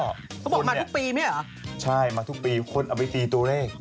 เขาบอกมาทุกปีไม่ใช่เหรอใช่มาทุกปีคนเอาไปตีตัวเลข